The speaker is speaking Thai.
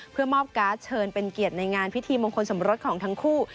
เพื่อมอบการ์ดเชิญเป็นเกียรติในงานพิธีมงคลสมรสของทั้งคู่